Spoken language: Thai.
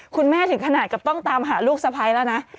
คุณแม่ถึงขนาดกับต้องตามหาลูกสะพัยแล้วนะ